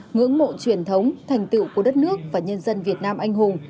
ngưỡng mộ truyền thống thành tựu của đất nước và nhân dân việt nam anh hùng